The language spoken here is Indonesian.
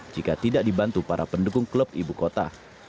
jika tidak dibantu para pendukung klub ibu kota